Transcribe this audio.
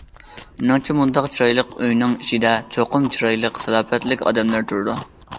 مېنىڭچە بۇنداق چىرايلىق ئۆينىڭ ئىچىدە چوقۇم چىرايلىق، سالاپەتلىك ئادەملەر تۇرىدۇ.